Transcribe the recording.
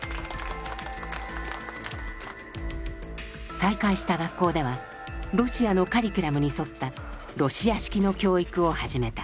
再開した学校ではロシアのカリキュラムに沿ったロシア式の教育を始めた。